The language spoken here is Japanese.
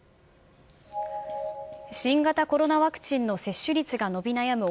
新型コロナワクチンの接種率が伸び悩む